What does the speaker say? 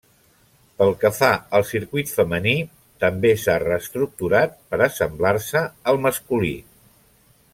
Pel que fa al circuit femení, també s'ha reestructurat per assemblar-se al masculí.